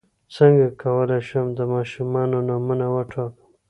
څنګه کولی شم د ماشومانو نومونه وټاکم